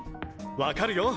分かるよ。